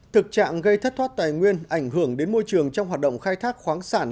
thực trạng gây thất thoát tài nguyên ảnh hưởng đến môi trường trong hoạt động khai thác khoáng sản